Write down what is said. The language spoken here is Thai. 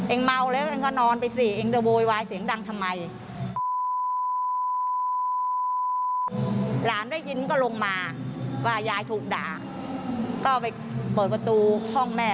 เอ็งเมาแล้วเอ็งก็นอนไปสิเอ็งเดี๋ยวโบยวายเสียงดังทำไม